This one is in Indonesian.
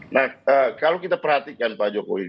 nah kalau kita perhatikan pak jokowi